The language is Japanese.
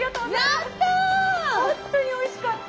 ほんとにおいしかった。